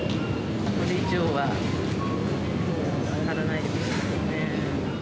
これ以上はもう上がらないでほしいですね。